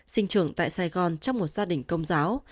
sinh trưởng tại sài gòn trong một gia đình công giáo